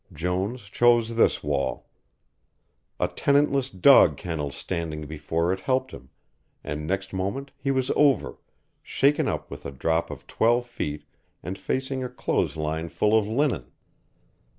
Jones chose this wall. A tenantless dog kennel standing before it helped him, and next moment he was over, shaken up with a drop of twelve feet and facing a clothes line full of linen.